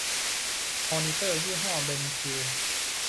มอนิเตอร์ยี่ห้อเบนคิว